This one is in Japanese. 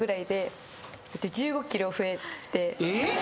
えっ！？